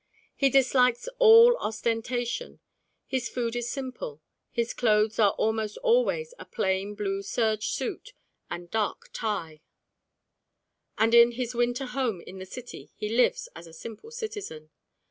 He dislikes all ostentation: his food is simple: his clothes are almost always a plain blue serge suit and dark tie: and in his winter home in the city he lives as a simple citizen.